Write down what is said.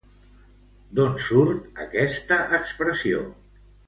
D'on surt aquesta expressió?